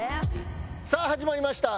さあ始まりました。